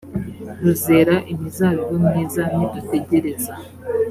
ruzera imizabibu myiza nidutegereza